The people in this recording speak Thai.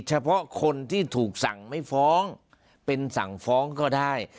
เฉพาะคนที่ถูกสั่งไม่ฟ้องเป็นสั่งฟ้องก็ได้